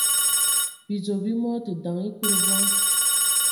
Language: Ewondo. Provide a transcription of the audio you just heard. Bidzɔ bi mɔ tə daŋ ekud bɔŋ.